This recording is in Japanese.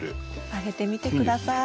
あげてみてください。